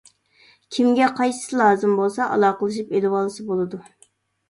كىمگە قايسىسى لازىم بولسا ئالاقىلىشىپ ئېلىۋالسا بولىدۇ.